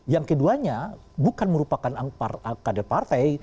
yang keduanya bukan merupakan kader partai